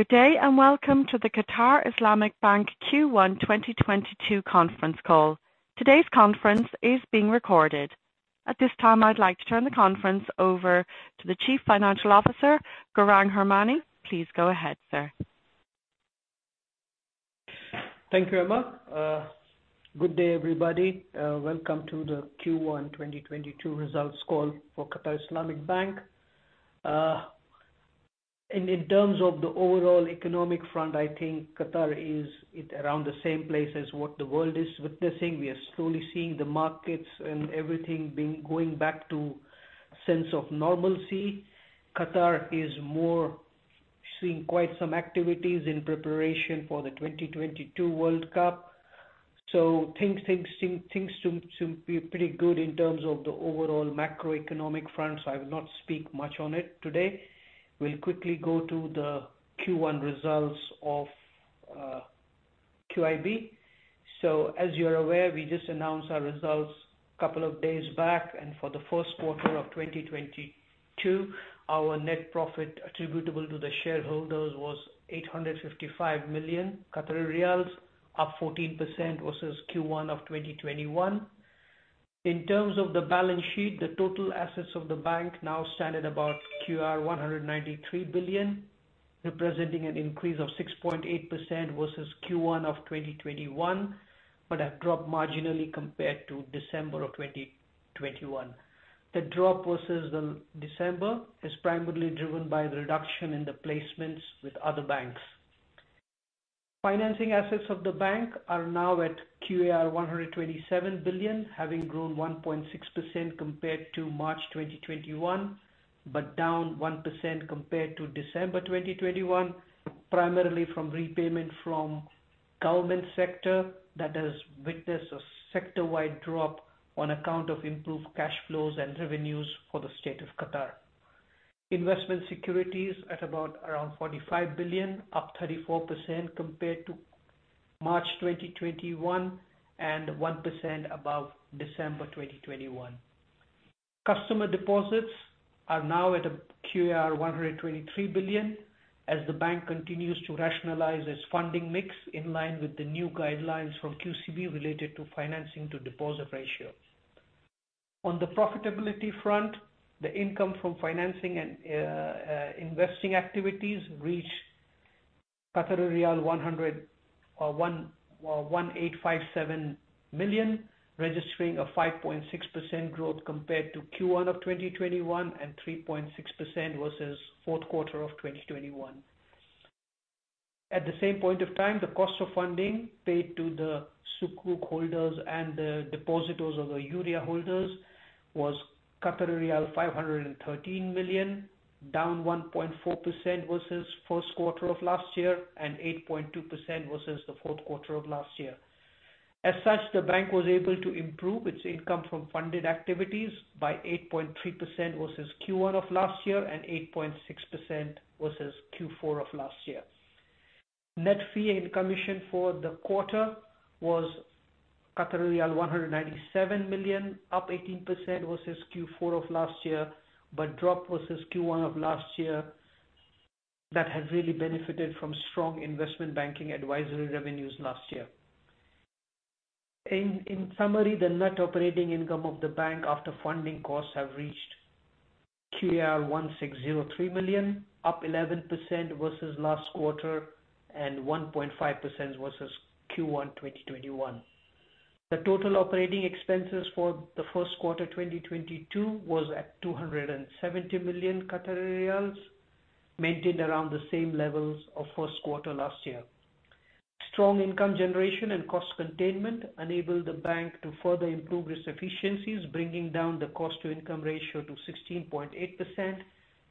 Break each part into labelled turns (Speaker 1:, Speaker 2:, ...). Speaker 1: Good day, and welcome to the Qatar Islamic Bank Q1 2022 Conference Call. Today's conference is being recorded. At this time, I'd like to turn the conference over to the Chief Financial Officer, Gourang Harmani. Please go ahead, sir.
Speaker 2: Thank you, Emma. Good day, everybody. Welcome to the Q1 2022 Results Call for Qatar Islamic Bank. In terms of the overall economic front, I think Qatar is at around the same place as what the world is witnessing. We are slowly seeing the markets and everything going back to a sense of normalcy. Qatar is more seeing quite some activities in preparation for the 2022 World Cup. Things seem pretty good in terms of the overall macroeconomic front, so I will not speak much on it today. We'll quickly go to the Q1 results of QIB. As you're aware, we just announced our results a couple of days back. For the first quarter of 2022, our net profit attributable to the shareholders was 855 million riyals, up 14% versus Q1 of 2021. In terms of the balance sheet, the total assets of the bank now stand at about 193 billion, representing an increase of 6.8% versus Q1 of 2021, but have dropped marginally compared to December of 2021. The drop versus December is primarily driven by the reduction in the placements with other banks. Financing assets of the bank are now at QAR 127 billion, having grown 1.6% compared to March 2021, but down 1% compared to December 2021, primarily from repayment from government sector that has witnessed a sector-wide drop on account of improved cash flows and revenues for the state of Qatar. Investment securities at about 45 billion, up 34% compared to March 2021, and 1% above December 2021. Customer deposits are now at QAR 123 billion as the bank continues to rationalize its funding mix in line with the new guidelines from QCB related to financing to deposit ratios. On the profitability front, the income from financing and investing activities reached 1,857 million, registering a 5.6% growth compared to Q1 of 2021 and 3.6% versus fourth quarter of 2021. At the same point of time, the cost of funding paid to the Sukuk holders and the depositors and the Unrestricted Investment Account holders was 513 million, down 1.4% versus first quarter of last year and 8.2% versus the fourth quarter of last year. As such, the bank was able to improve its income from funded activities by 8.3% versus Q1 of last year and 8.6% versus Q4 of last year. Net fee and commission for the quarter was riyal 197 million, up 18% versus Q4 of last year, but dropped versus Q1 of last year that had really benefited from strong investment banking advisory revenues last year. In summary, the net operating income of the bank after funding costs have reached QAR 1,603 million, up 11% versus last quarter and 1.5% versus Q1 2021. The total operating expenses for the first quarter 2022 was at 270 million Qatari riyals, maintained around the same levels of first quarter last year. Strong income generation and cost containment enabled the bank to further improve its efficiencies, bringing down the cost to income ratio to 16.8%,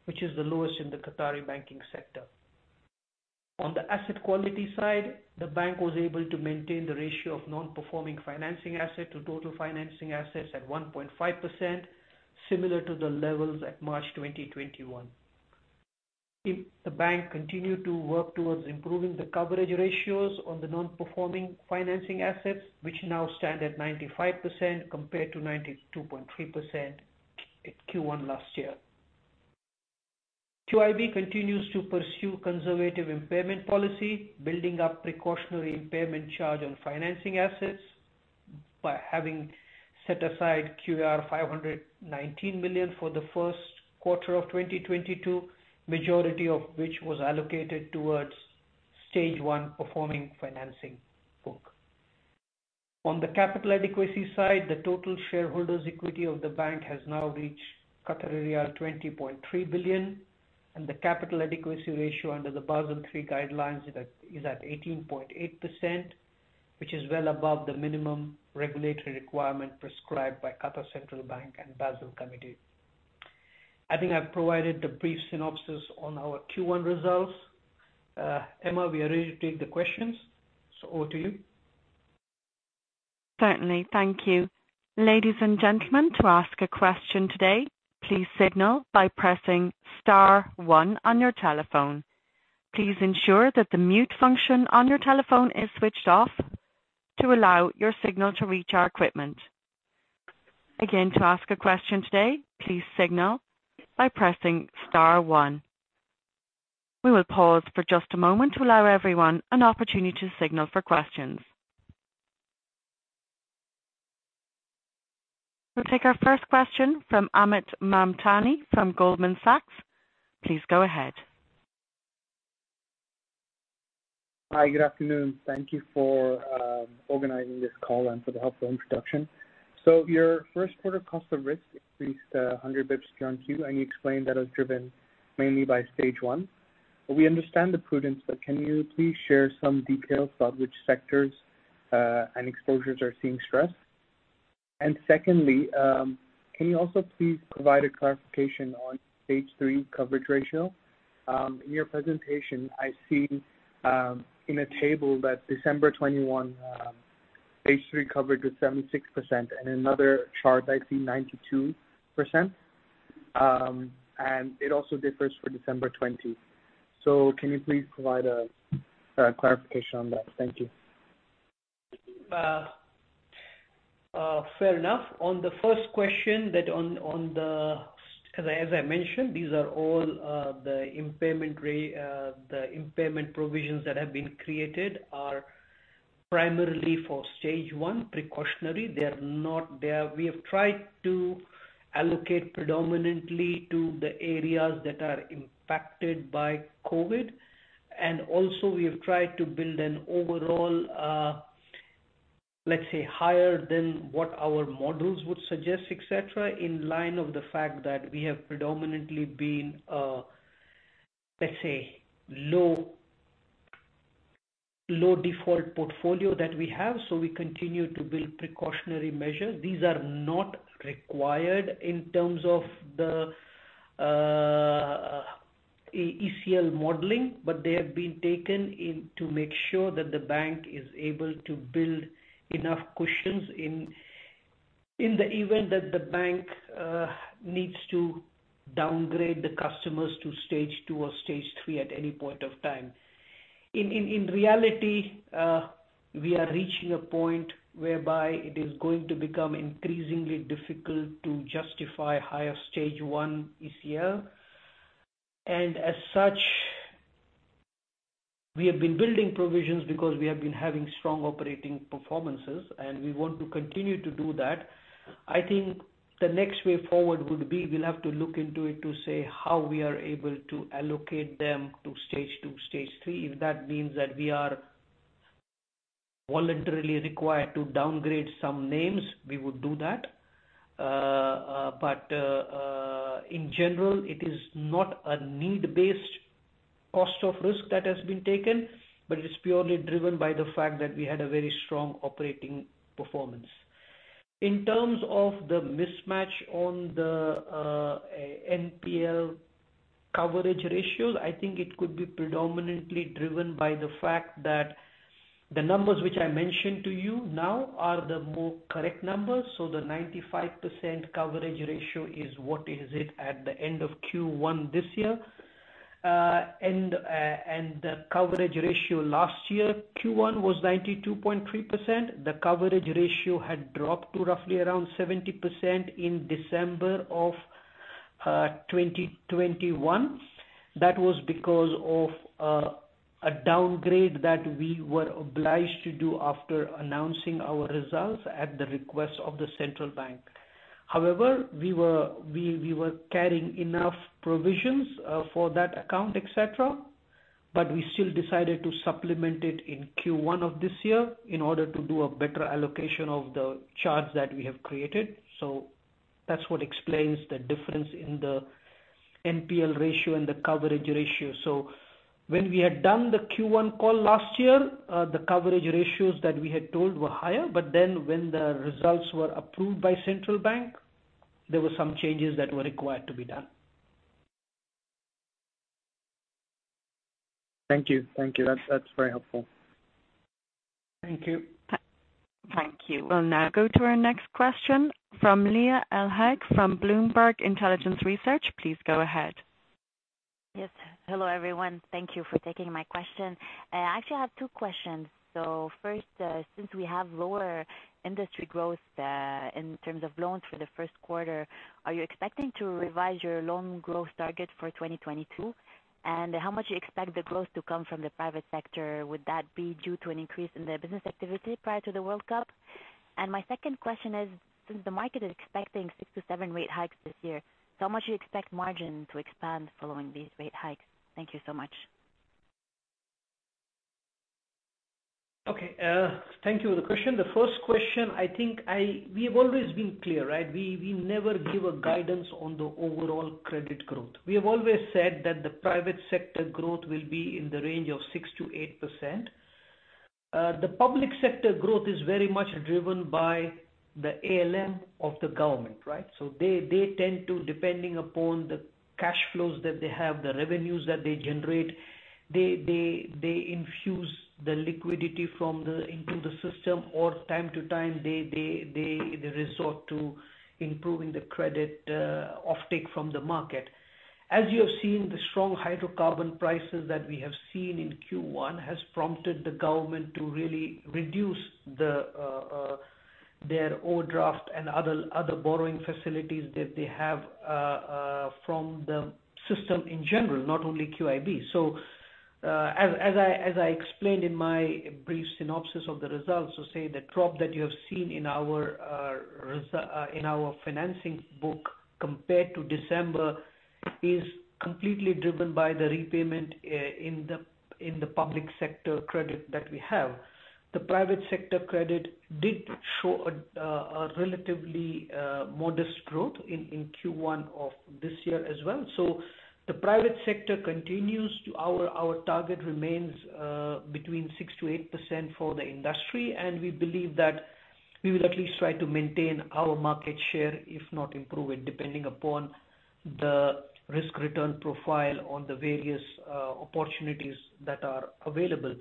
Speaker 2: which is the lowest in the Qatari banking sector. On the asset quality side, the bank was able to maintain the ratio of non-performing financing asset to total financing assets at 1.5%, similar to the levels at March 2021. The bank continued to work towards improving the coverage ratios on the non-performing financing assets, which now stand at 95% compared to 92.3% at Q1 last year. QIB continues to pursue conservative impairment policy, building up precautionary impairment charge on financing assets by having set aside 519 million for the first quarter of 2022, majority of which was allocated towards stage one performing financing book. On the capital adequacy side, the total shareholders equity of the bank has now reached riyal 20.3 billion, and the capital adequacy ratio under the Basel III guidelines is at 18.8%, which is well above the minimum regulatory requirement prescribed by Qatar Central Bank and Basel Committee. I think I've provided the brief synopsis on our Q1 results. Emma, we are ready to take the questions, so over to you.
Speaker 1: Certainly. Thank you. Ladies and gentlemen, to ask a question today, please signal by pressing star one on your telephone. Please ensure that the mute function on your telephone is switched off to allow your signal to reach our equipment. Again, to ask a question today, please signal by pressing star one. We will pause for just a moment to allow everyone an opportunity to signal for questions. We'll take our first question from Amit Mamtani from Goldman Sachs. Please go ahead.
Speaker 3: Hi. Good afternoon. Thank you for organizing this call and for the helpful introduction. Your first quarter cost of risk increased 100 bps during Q, and you explained that was driven mainly by stage one. We understand the prudence, but can you please share some details about which sectors and exposures are seeing stress? Secondly, can you also please provide a clarification on stage three coverage ratio? In your presentation, I see in a table that December 2021 stage three coverage was 76%. In another chart, I see 92%, and it also differs for December 2020. Can you please provide a clarification on that? Thank you.
Speaker 2: Fair enough. On the first question. As I mentioned, these are all the impairment provisions that have been created are primarily for stage one, precautionary. They're not there. We have tried to allocate predominantly to the areas that are impacted by COVID, and also we have tried to build an overall, let's say, higher than what our models would suggest, et cetera, in line with the fact that we have predominantly been, let's say, low default portfolio that we have, so we continue to build precautionary measures. These are not required in terms of the ECL modeling, but they have been taken in to make sure that the bank is able to build enough cushions. In reality, we are reaching a point whereby it is going to become increasingly difficult to justify higher stage one ECL. As such, we have been building provisions because we have been having strong operating performances, and we want to continue to do that. I think the next way forward would be we'll have to look into it to say how we are able to allocate them to stage two, stage three. If that means that we are voluntarily required to downgrade some names, we would do that. In general, it is not a need-based cost of risk that has been taken, but it is purely driven by the fact that we had a very strong operating performance. In terms of the mismatch on the NPL coverage ratio, I think it could be predominantly driven by the fact that the numbers which I mentioned to you now are the more correct numbers. The 95% coverage ratio is what it is at the end of Q1 this year. The coverage ratio last year, Q1 was 92.3%. The coverage ratio had dropped to roughly around 70% in December of 2021. That was because of a downgrade that we were obliged to do after announcing our results at the request of the central bank. However, we were carrying enough provisions, for that account, et cetera, but we still decided to supplement it in Q1 of this year in order to do a better allocation of the charge that we have created. That's what explains the difference in the NPL ratio and the coverage ratio. When we had done the Q1 call last year, the coverage ratios that we had told were higher, but then when the results were approved by central bank, there were some changes that were required to be done.
Speaker 3: Thank you. That's very helpful.
Speaker 2: Thank you.
Speaker 1: Thank you. We'll now go to our next question from Leah El-Hag from Bloomberg Intelligence Research. Please go ahead.
Speaker 4: Yes. Hello, everyone. Thank you for taking my question. I actually have two questions. First, since we have lower industry growth, in terms of loans for the first quarter, are you expecting to revise your loan growth target for 2022? And how much you expect the growth to come from the private sector? Would that be due to an increase in the business activity prior to the World Cup? My second question is, since the market is expecting six-seven rate hikes this year, how much do you expect margin to expand following these rate hikes? Thank you so much.
Speaker 2: Okay. Thank you for the question. The first question, I think we have always been clear, right? We never give a guidance on the overall credit growth. We have always said that the private sector growth will be in the range of 6%-8%. The public sector growth is very much driven by the ALM of the government, right? They tend to, depending upon the cash flows that they have, the revenues that they generate, they infuse the liquidity into the system, or from time to time they resort to improving the credit offtake from the market. As you have seen, the strong hydrocarbon prices that we have seen in Q1 has prompted the government to really reduce their overdraft and other borrowing facilities that they have from the system in general, not only QIB. As I explained in my brief synopsis of the results, to say the drop that you have seen in our financing book compared to December is completely driven by the repayment in the public sector credit that we have. The private sector credit did show a relatively modest growth in Q1 of this year as well. The private sector continues to Our target remains between 6%-8% for the industry, and we believe that we will at least try to maintain our market share, if not improve it, depending upon the risk-return profile on the various opportunities that are available.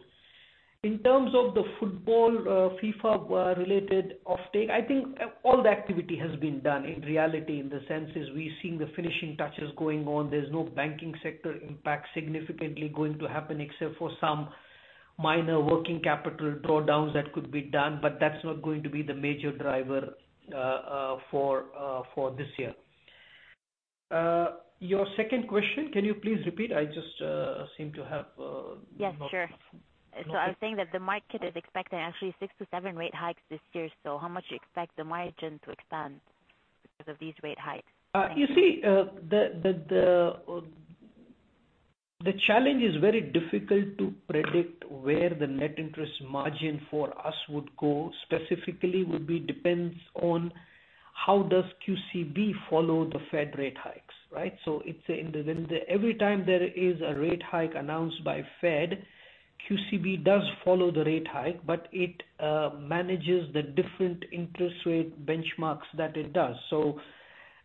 Speaker 2: In terms of the football, FIFA-related offtake, I think all the activity has been done in reality, in the sense is we're seeing the finishing touches going on. There's no banking sector impact significantly going to happen except for some minor working capital drawdowns that could be done, but that's not going to be the major driver for this year. Your second question, can you please repeat? I just seem to have not.
Speaker 4: Yes, sure.
Speaker 2: Okay.
Speaker 4: I'm saying that the market is expecting actually six-seven rate hikes this year. How much do you expect the margin to expand because of these rate hikes?
Speaker 2: The challenge is very difficult to predict where the net interest margin for us would go. Specifically would be depends on how does QCB follow the Fed rate hikes, right? Every time there is a rate hike announced by Fed, QCB does follow the rate hike, but it manages the different interest rate benchmarks that it does.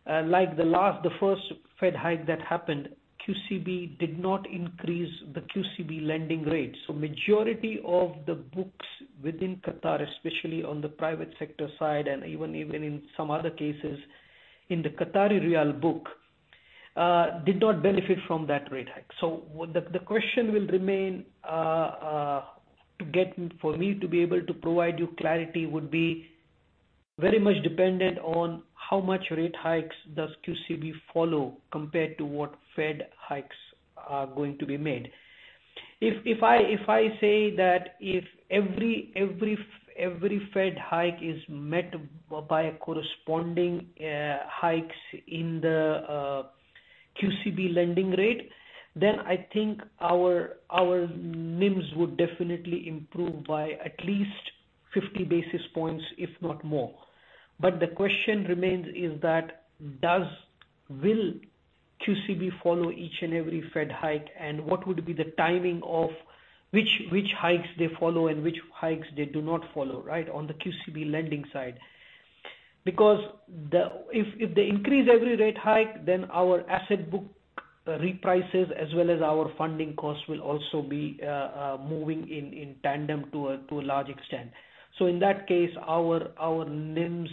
Speaker 2: Like the first Fed hike that happened, QCB did not increase the QCB lending rate. Majority of the books within Qatar, especially on the private sector side and even in some other cases in the Qatari riyal book, did not benefit from that rate hike. The question will remain to get. For me to be able to provide you clarity would be very much dependent on how much rate hikes does QCB follow compared to what Fed hikes are going to be made. If I say that if every Fed hike is met by corresponding hikes in the QCB lending rate, then I think our NIMS would definitely improve by at least 50 basis points, if not more. The question remains is that Will QCB follow each and every Fed hike? What would be the timing of which hikes they follow and which hikes they do not follow, right? On the QCB lending side. Because the If they increase every rate hike, then our asset book reprices as well as our funding costs will also be moving in tandem to a large extent. In that case, our NIMS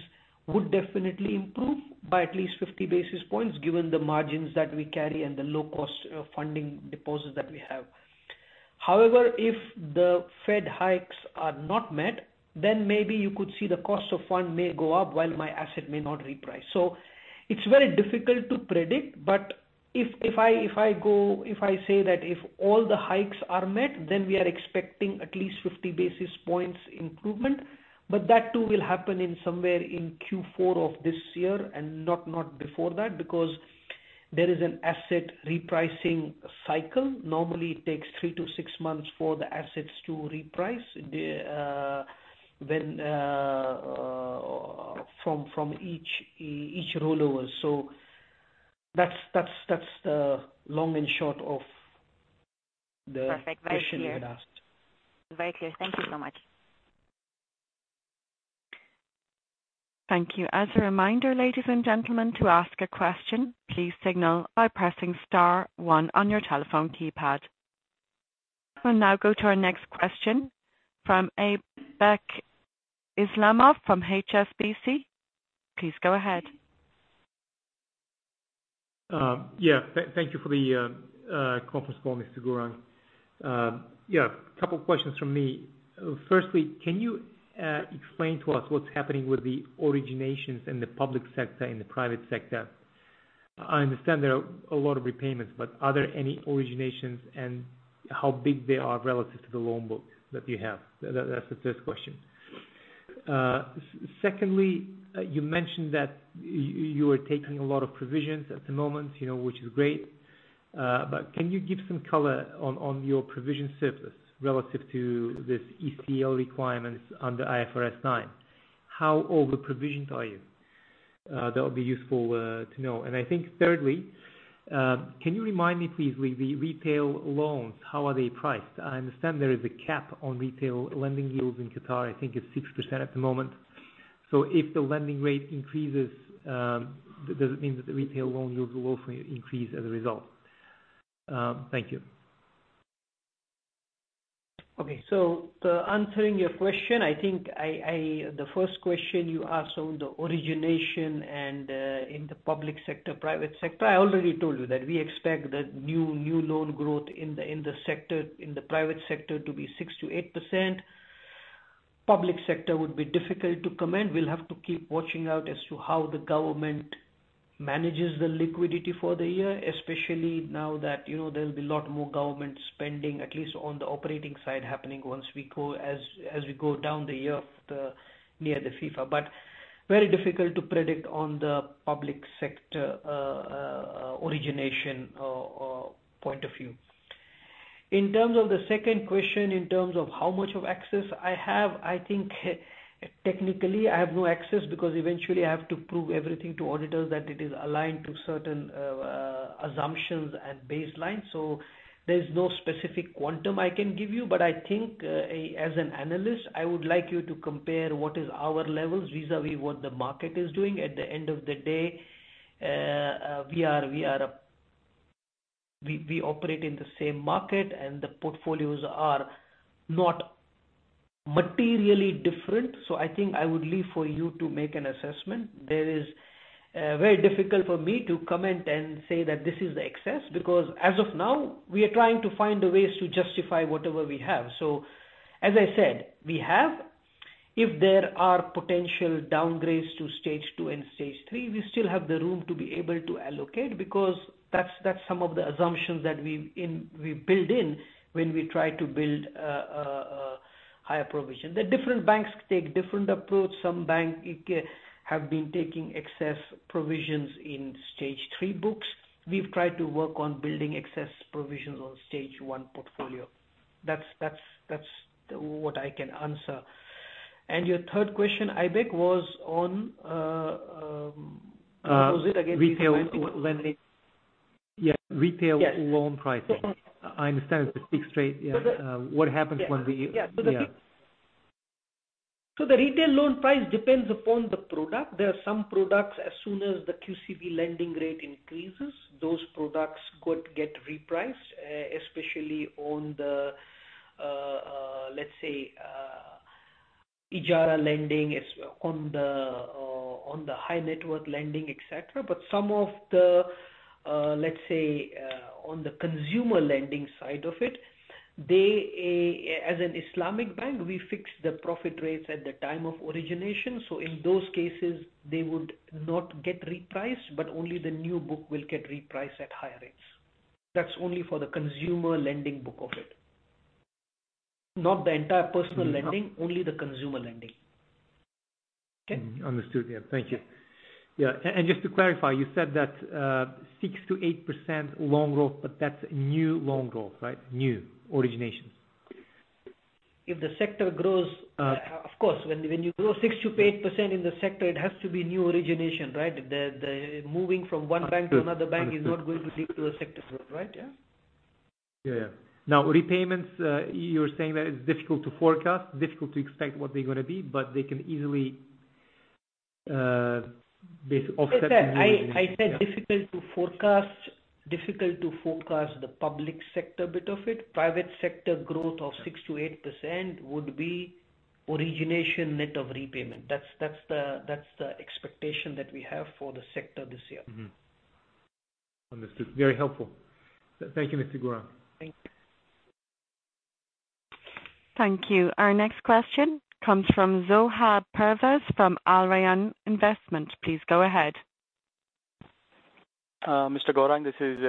Speaker 2: would definitely improve by at least 50 basis points given the margins that we carry and the low cost of funding deposits that we have. However, if the Fed hikes are not met, then maybe you could see the cost of fund may go up while my asset may not reprice. It's very difficult to predict, but if I say that if all the hikes are met, then we are expecting at least 50 basis points improvement. That too will happen somewhere in Q4 of this year and not before that because there is an asset repricing cycle. Normally it takes three to six months for the assets to reprice from each rollover. That's the long and short of the-
Speaker 4: Perfect. Very clear.
Speaker 2: question you had asked.
Speaker 4: Very clear. Thank you so much.
Speaker 1: Thank you. As a reminder, ladies and gentlemen, to ask a question, please signal by pressing star one on your telephone keypad. We'll now go to our next question from Aybek Islamov from HSBC. Please go ahead.
Speaker 5: Yeah. Thank you for the conference call, Mr. Gourang. Yeah, a couple questions from me. Firstly, can you explain to us what's happening with the originations in the public sector and the private sector? I understand there are a lot of repayments, but are there any originations and how big they are relative to the loan book that you have? That's the first question. Secondly, you mentioned that you are taking a lot of provisions at the moment, you know, which is great. But can you give some color on your provision coverage relative to the ECL requirements under IFRS 9? How over provisioned are you? That would be useful to know. I think thirdly, can you remind me please with the retail loans, how are they priced? I understand there is a cap on retail lending yields in Qatar, I think it's 6% at the moment. If the lending rate increases, does it mean that the retail loan yields will also increase as a result? Thank you.
Speaker 2: Answering your question, I think the first question you asked on the origination and in the public sector, private sector, I already told you that we expect the new loan growth in the sector, in the private sector to be 6%-8%. Public sector would be difficult to comment. We'll have to keep watching out as to how the government manages the liquidity for the year, especially now that, you know, there'll be a lot more government spending, at least on the operating side happening once we go down the year near the FIFA. But very difficult to predict on the public sector origination or point of view. In terms of the second question, in terms of how much of excess I have, I think technically I have no excess because eventually I have to prove everything to auditors that it is aligned to certain assumptions and baselines. There's no specific quantum I can give you. I think, as an analyst, I would like you to compare what is our levels vis-à-vis what the market is doing. At the end of the day, we operate in the same market, and the portfolios are not materially different. I think I would leave for you to make an assessment. It's very difficult for me to comment and say that this is the excess, because as of now, we are trying to find the ways to justify whatever we have. As I said, we have. If there are potential downgrades to stage two and stage three, we still have the room to be able to allocate because that's some of the assumptions that we build in when we try to build higher provision. The different banks take different approach. Some banks have been taking excess provisions in stage three books. We've tried to work on building excess provisions on stage one portfolio. That's what I can answer. Your third question, Aybek, was on, what was it again?
Speaker 5: Retail lending. Yeah.
Speaker 2: Yes.
Speaker 5: loan pricing.
Speaker 2: Mm-hmm.
Speaker 5: I understand. To speak straight, yeah.
Speaker 2: So the-
Speaker 5: What happens when we?
Speaker 2: Yeah.
Speaker 5: Yeah.
Speaker 2: The retail loan price depends upon the product. There are some products, as soon as the QCB lending rate increases, those products could get repriced, especially on the, let's say, Ijara lending, on the high net worth lending, et cetera. Some of the, let's say, on the consumer lending side of it, they, as an Islamic bank, we fix the profit rates at the time of origination. In those cases they would not get repriced, but only the new book will get repriced at higher rates. That's only for the consumer lending book of it, not the entire personal lending.
Speaker 5: Mm-hmm.
Speaker 2: Only the consumer lending.
Speaker 5: Okay. Understood. Yeah. Thank you. Yeah. Just to clarify, you said that, 6%-8% loan growth, but that's new loan growth, right? New originations.
Speaker 2: If the sector grows.
Speaker 5: Uh.
Speaker 2: Of course, when you grow 6%-8% in the sector, it has to be new origination, right? The moving from one bank to another bank is not going to lead to a sector growth, right? Yeah.
Speaker 5: Yeah, yeah. Now repayments, you're saying that it's difficult to forecast, difficult to expect what they're gonna be, but they can easily offset the new origination. Yeah.
Speaker 2: I said difficult to forecast the public sector bit of it. Private sector growth of 6%-8% would be origination net of repayment. That's the expectation that we have for the sector this year.
Speaker 5: Mm-hmm. Understood. Very helpful. Thank you, Mr. Gourang.
Speaker 2: Thank you.
Speaker 1: Thank you. Our next question comes from Zohaib Pervez from Al Rayan Investment. Please go ahead.
Speaker 6: Mr. Gourang, this is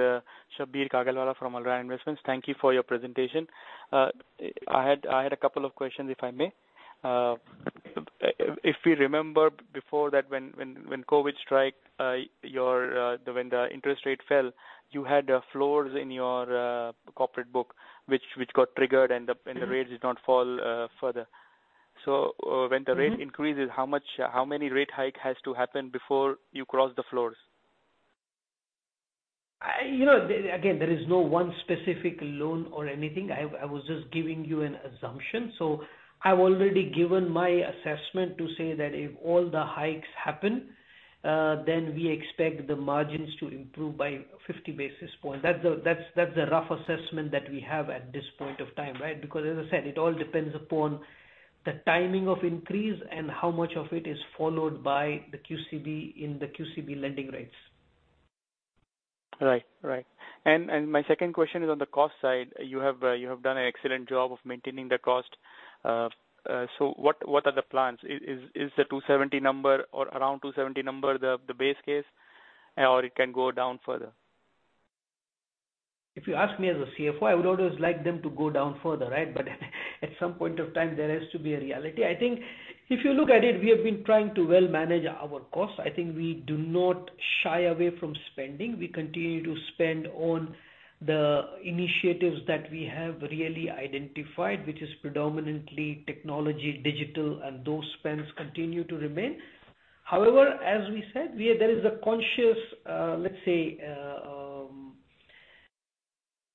Speaker 6: Shabbir Kagalwala from Al Rayan Investment. Thank you for your presentation. I had a couple of questions, if I may. If we remember before that, when COVID strike, when the interest rate fell, you had floors in your corporate book which got triggered and the rates did not fall further. When the rate increases, how many rate hike has to happen before you cross the floors?
Speaker 2: You know, again, there is no one specific loan or anything. I was just giving you an assumption. I've already given my assessment to say that if all the hikes happen, then we expect the margins to improve by 50 basis points. That's the rough assessment that we have at this point of time, right? Because as I said, it all depends upon the timing of increase and how much of it is followed by the QCB in the QCB lending rates.
Speaker 6: Right. My second question is on the cost side. You have done an excellent job of maintaining the cost. What are the plans? Is the 270 million number or around 270 million number the base case, or it can go down further?
Speaker 2: If you ask me as a CFO, I would always like them to go down further, right? But at some point of time there has to be a reality. I think if you look at it, we have been trying to well manage our costs. I think we do not shy away from spending. We continue to spend on the initiatives that we have really identified, which is predominantly technology, digital, and those spends continue to remain. However, as we said, there is a conscious, let's say,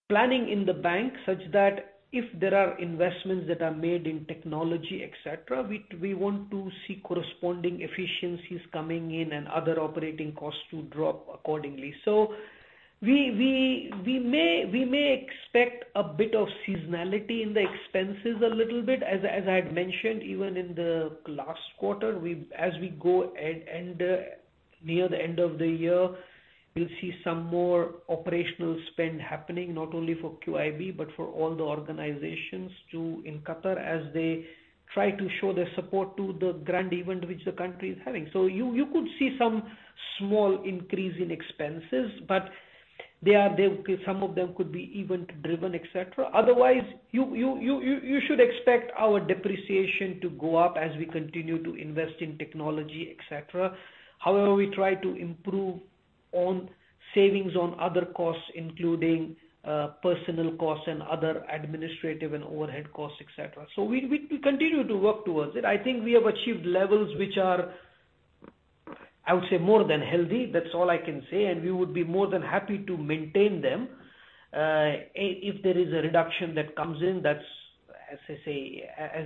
Speaker 2: planning in the bank such that if there are investments that are made in technology, et cetera, we want to see corresponding efficiencies coming in and other operating costs to drop accordingly. We may expect a bit of seasonality in the expenses a little bit. As I had mentioned, even in the last quarter, as we go near the end of the year. You'll see some more operational spend happening not only for QIB but for all the organizations too in Qatar as they try to show their support to the grand event which the country is having. You could see some small increase in expenses, but some of them could be event driven, et cetera. Otherwise, you should expect our depreciation to go up as we continue to invest in technology, et cetera. However, we try to improve on savings on other costs, including, personnel costs and other administrative and overhead costs, et cetera. We continue to work towards it. I think we have achieved levels which are, I would say, more than healthy. That's all I can say. We would be more than happy to maintain them. If there is a reduction that comes in, that's, as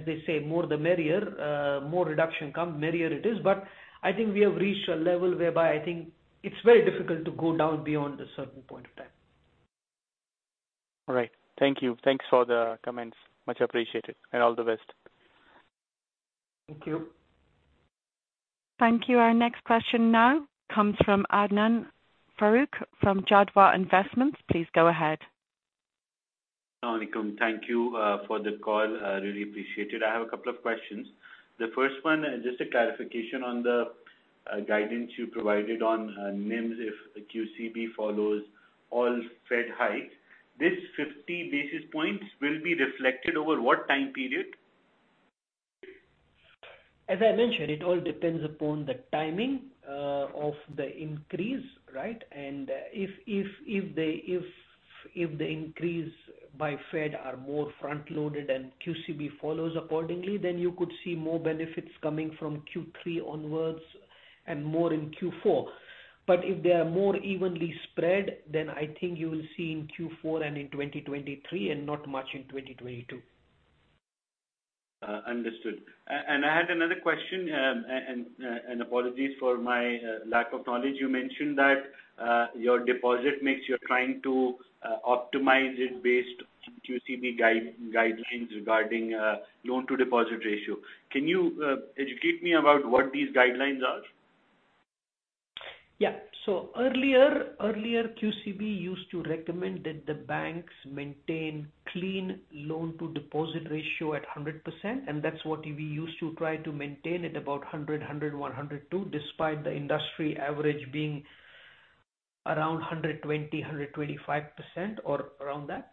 Speaker 2: they say, more the merrier. More reduction come, merrier it is. I think we have reached a level whereby I think it's very difficult to go down beyond a certain point of time.
Speaker 6: All right. Thank you. Thanks for the comments. Much appreciated and all the best.
Speaker 2: Thank you.
Speaker 1: Thank you. Our next question now comes from Adnan Farooq from Jadwa Investment. Please go ahead.
Speaker 7: Thank you for the call. I really appreciate it. I have a couple of questions. The first one, just a clarification on the guidance you provided on NIMS if QCB follows all Fed hikes. This 50 basis points will be reflected over what time period?
Speaker 2: As I mentioned, it all depends upon the timing of the increase, right? If the increase by Fed are more front loaded and QCB follows accordingly, then you could see more benefits coming from Q3 onwards and more in Q4. If they are more evenly spread, then I think you will see in Q4 and in 2023 and not much in 2022.
Speaker 7: Understood. I had another question, and apologies for my lack of knowledge. You mentioned that your deposit mix, you're trying to optimize it based on QCB guidelines regarding loan to deposit ratio. Can you educate me about what these guidelines are?
Speaker 2: Yeah. Earlier, QCB used to recommend that the banks maintain clean loan to deposit ratio at 100%, and that's what we used to try to maintain at about 100%, 102%, despite the industry average being around 120%, 125% or around that.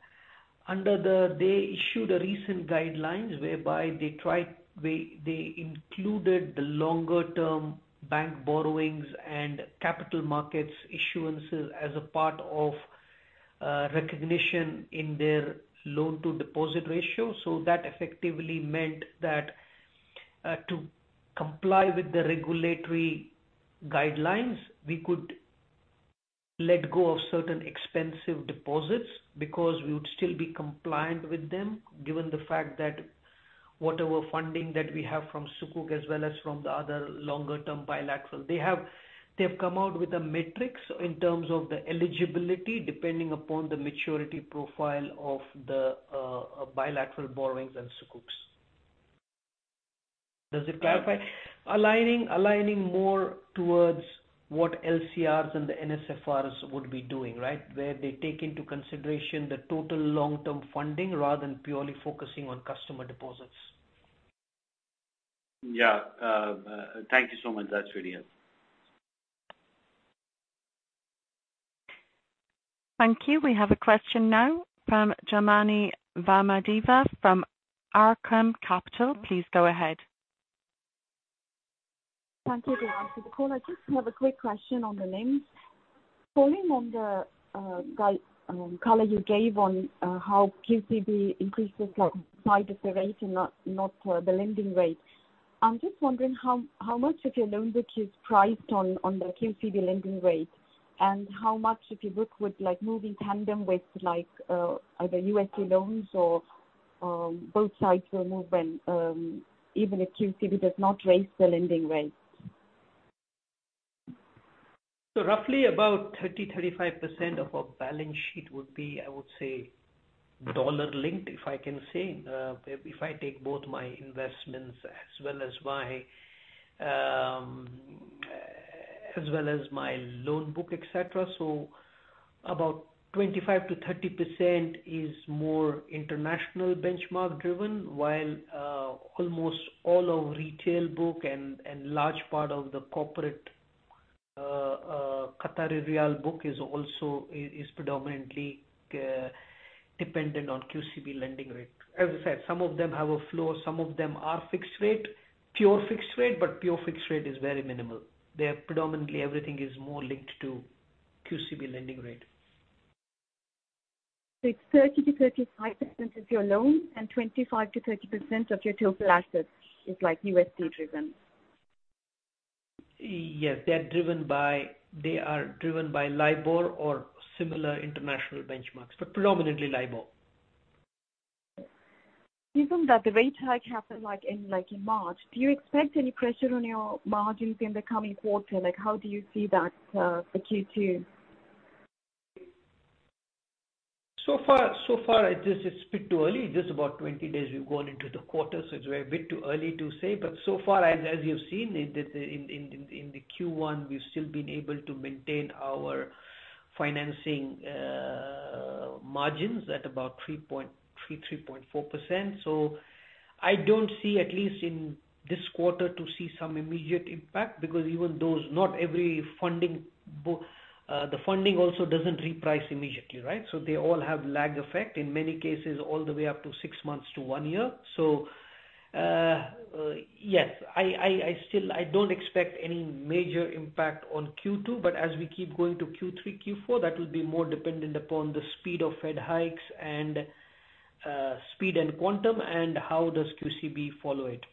Speaker 2: They issued recent guidelines whereby they included the longer term bank borrowings and capital markets issuances as a part of recognition in their loan to deposit ratio. That effectively meant that to comply with the regulatory guidelines, we could let go of certain expensive deposits because we would still be compliant with them, given the fact that whatever funding that we have from Sukuk as well as from the other longer term bilateral. They've come out with a matrix in terms of the eligibility depending upon the maturity profile of the bilateral borrowings and Sukuks. Does it clarify? Aligning more towards what LCRs and the NSFRs would be doing, right? Where they take into consideration the total long-term funding rather than purely focusing on customer deposits.
Speaker 7: Yeah. Thank you so much. That's really it.
Speaker 1: Thank you. We have a question now from Janany Vamadeva from Arqaam Capital. Please go ahead.
Speaker 8: Thank you again for the call. I just have a quick question on the NIMS. Following on the color you gave on how QCB increases like side of the rate and not the lending rate. I'm just wondering how much of your loan book is priced on the QCB lending rate and how much of your book would like move in tandem with like either USD loans or both sides will move when even if `QCB does not raise the lending rate?
Speaker 2: Roughly about 30%-35% of our balance sheet would be, I would say, dollar linked, if I can say, if I take both my investments as well as my loan book, et cetera. About 25%-30% is more international benchmark driven, while almost all of retail book and large part of the corporate Qatari riyal book is also is predominantly dependent on QCB lending rate. As I said, some of them have a floor, some of them are fixed rate, pure fixed rate, but pure fixed rate is very minimal. They are predominantly everything is more linked to QCB lending rate.
Speaker 8: It's 30%-35% of your loan and 25%-30% of your total assets is like USD driven?
Speaker 2: Yes. They are driven by LIBOR or similar international benchmarks, but predominantly LIBOR.
Speaker 8: Given that the rate hike happened like in, like in March, do you expect any pressure on your margins in the coming quarter? Like how do you see that for Q2?
Speaker 2: So far it is a bit too early, just about 20 days we've gone into the quarter, it's a bit too early to say. As you've seen in the Q1, we've still been able to maintain our financing margins at about 3.4%. I don't see at least in this quarter to see some immediate impact because even though not every funding book, the funding also doesn't reprice immediately, right? They all have lag effect, in many cases all the way up to six months to one year. Yes, I still. I don't expect any major impact on Q2, but as we keep going to Q3, Q4, that will be more dependent upon the speed of Fed hikes and speed and quantum and how does QCB follow it.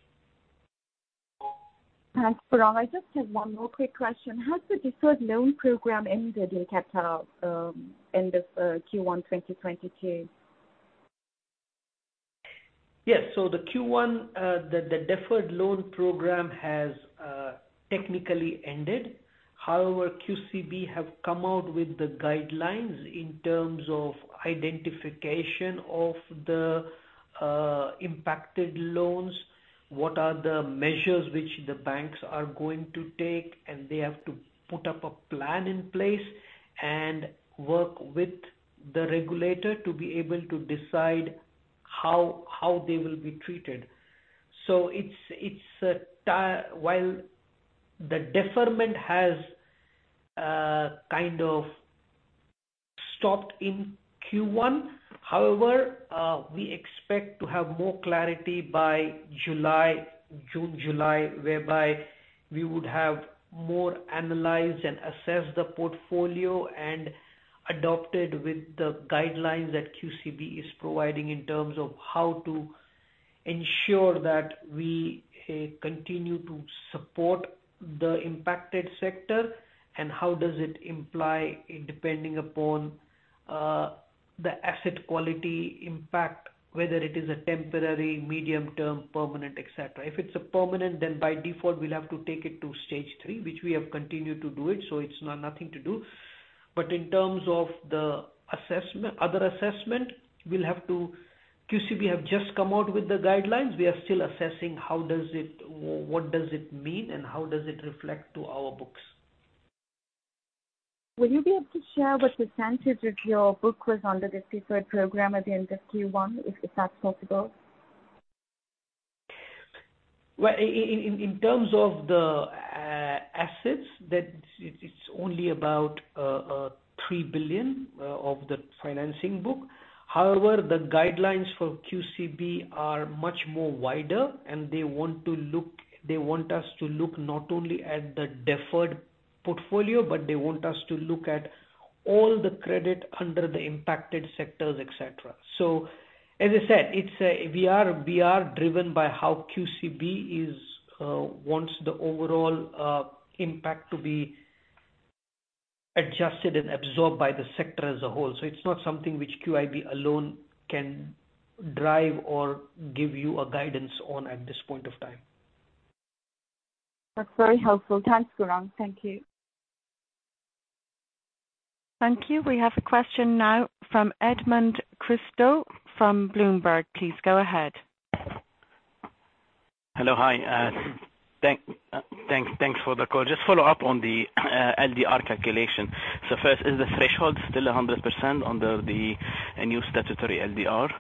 Speaker 8: Thanks, Gaurang. I just have one more quick question. Has the deferred loan program ended in Qatar, end of Q1 2022?
Speaker 2: Yes. The Q1, the deferred loan program has technically ended. However, QCB have come out with the guidelines in terms of identification of the impacted loans, what are the measures which the banks are going to take, and they have to put up a plan in place and work with the regulator to be able to decide how they will be treated. It's a while the deferment has kind of stopped in Q1. However, we expect to have more clarity by June, July, whereby we would have more analyzed and assessed the portfolio and adopted with the guidelines that QCB is providing in terms of how to ensure that we continue to support the impacted sector and how does it imply in depending upon the asset quality impact, whether it is a temporary, medium term, permanent, et cetera. If it's a permanent, then by default we'll have to take it to stage three, which we have continued to do it, so it's nothing to do. But in terms of the assessment, we'll have to. QCB have just come out with the guidelines. We are still assessing how does it what does it mean and how does it reflect to our books.
Speaker 8: Will you be able to share what percentage of your book was under the deferred program at the end of Q1, if that's possible?
Speaker 2: Well, in terms of the assets that it's only about 3 billion of the financing book. However, the guidelines for QCB are much more wider and they want us to look not only at the deferred portfolio, but they want us to look at all the credit under the impacted sectors, et cetera. As I said, we are driven by how QCB wants the overall impact to be adjusted and absorbed by the sector as a whole. It's not something which QIB alone can drive or give you a guidance on at this point of time.
Speaker 8: That's very helpful. Thanks, Gourang. Thank you.
Speaker 1: Thank you. We have a question now from Edmund Christo from Bloomberg. Please go ahead.
Speaker 9: Hello. Hi. Thanks for the call. Just follow up on the LDR calculation. First, is the threshold still 100% under the new statutory LDR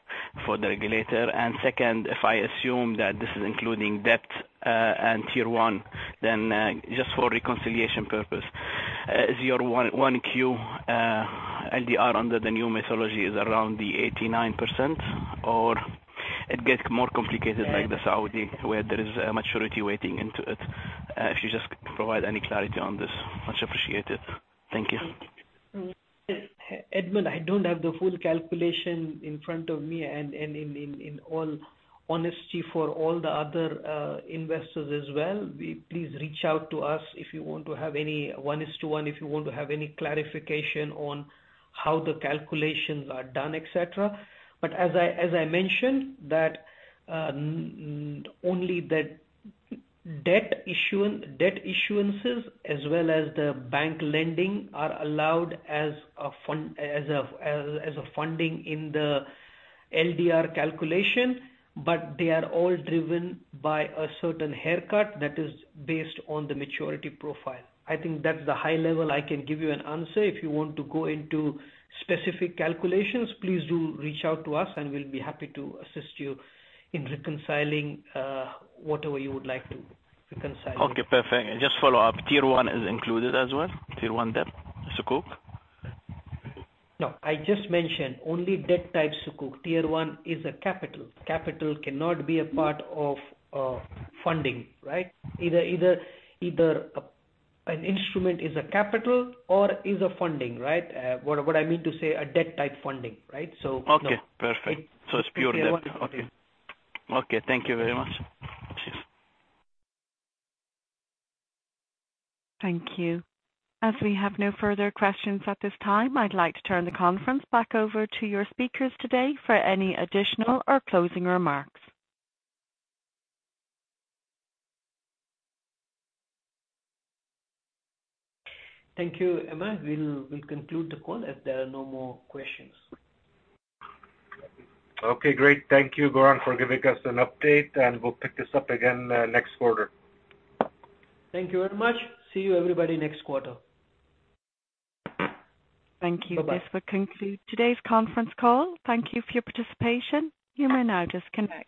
Speaker 9: for the regulator? Second, if I assume that this is including debt and tier one, then just for reconciliation purpose, is your Q1 LDR under the new methodology around the 89%? It gets more complicated like the Saudi where there is a maturity weighting into it. If you just provide any clarity on this, much appreciated. Thank you.
Speaker 2: Edmund, I don't have the full calculation in front of me and in all honesty for all the other investors as well, please reach out to us if you want to have any one-on-one if you want to have any clarification on how the calculations are done, et cetera. As I mentioned, only the debt issuances as well as the bank lending are allowed as a funding in the LDR calculation, but they are all driven by a certain haircut that is based on the maturity profile. I think that's the high-level I can give you an answer. If you want to go into specific calculations, please do reach out to us and we'll be happy to assist you in reconciling whatever you would like to reconcile.
Speaker 9: Okay, perfect. Just follow up. Tier 1 is included as well? Tier 1 debt, Sukuk?
Speaker 2: No, I just mentioned only debt type Sukuk. Tier one is a capital. Capital cannot be a part of funding, right? Either an instrument is a capital or is a funding, right? What I mean to say, a debt type funding, right? So.
Speaker 9: Okay, perfect.
Speaker 2: Thank you.
Speaker 9: It's pure debt.
Speaker 2: Okay, wonderful.
Speaker 9: Okay. Okay, thank you very much. Cheers.
Speaker 1: Thank you. As we have no further questions at this time, I'd like to turn the conference back over to your speakers today for any additional or closing remarks.
Speaker 2: Thank you, Emma. We'll conclude the call if there are no more questions.
Speaker 10: Okay, great. Thank you, Gourang, for giving us an update, and we'll pick this up again, next quarter.
Speaker 2: Thank you very much. See you, everybody, next quarter.
Speaker 1: Thank you.
Speaker 2: Bye-bye.
Speaker 1: This will conclude today's conference call. Thank you for your participation. You may now disconnect.